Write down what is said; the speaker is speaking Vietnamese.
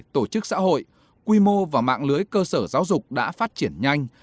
tổ chức xã hội quy mô và mạng lưới cơ sở giáo dục đã phát triển nhanh